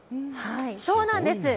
そうなんです。